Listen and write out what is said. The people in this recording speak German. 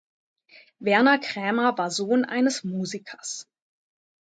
Werner Krämer war Sohn eines Musikers.